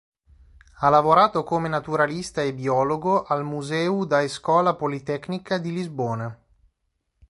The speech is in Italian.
Ha lavorato come naturalista e biologo al "Museu da Escola Politecnica" di Lisbona.